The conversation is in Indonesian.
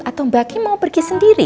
atau mbak ki mau pergi sendiri